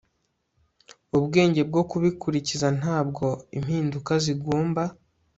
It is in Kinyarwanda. ubwenge bwo kubikurikiza Ntabwo impinduka zigomba